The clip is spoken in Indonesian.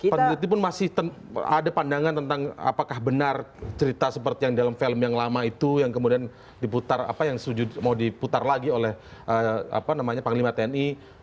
peneliti pun masih ada pandangan tentang apakah benar cerita seperti yang dalam film yang lama itu yang kemudian mau diputar lagi oleh panglima tni